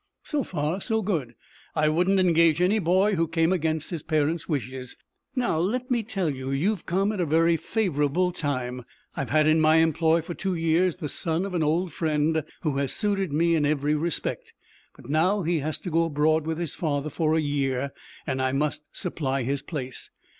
"So far so good. I wouldn't engage any boy who came against his parents' wishes. Now let me tell you that you have come at a very favorable time. I have had in my employ for two years the son of an old friend, who has suited me in every respect; but now he is to go abroad with his father for a year, and I must supply his place.